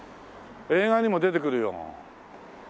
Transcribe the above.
映画にも出てくるよ。